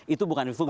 itu bukan difungsi